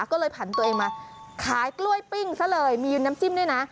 ก็เลยผันตัวเองมาขายกล้วยปิ้งซะเลยมีน้ำจิ้มด้วยนะ